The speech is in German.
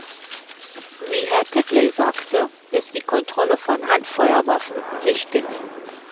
Wie Herr Titley sagte, ist die Kontrolle von Handfeuerwaffen wichtig.